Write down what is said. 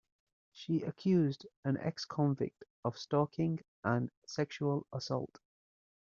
She accused an ex-convict of stalking and sexual assault.